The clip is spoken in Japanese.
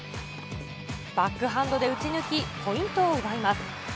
バックハンドで打ち抜き、ポイントを奪います。